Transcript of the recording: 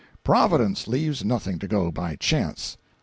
Providence leaves nothing to go by chance.